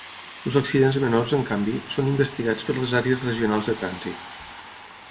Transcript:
Els accidents menors, en canvi, són investigats per les Àrees Regionals de Trànsit.